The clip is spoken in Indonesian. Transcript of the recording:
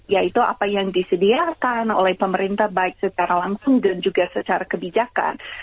yaitu apa yang disediakan oleh pemerintah baik secara langsung dan juga secara kebijakan